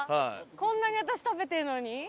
こんなに私食べてるのに？